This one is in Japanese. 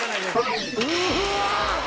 うわ！